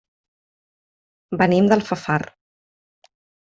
Venim d'Alfafar.